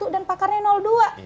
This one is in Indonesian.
dan pakarnya dua